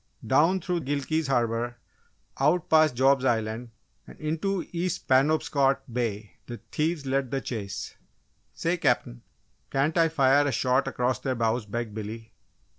Down through Gilkey's Harbour, out past Job's Island, and into East Penobscot Bay, the thieves led the chase. "Say, Cap'n, can't I fire a shot across their bows?" begged Billy.